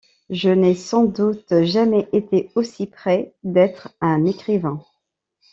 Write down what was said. Je n’ai sans doute jamais été aussi près d’être un écrivain.